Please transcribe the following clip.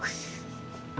ayo dimakan ya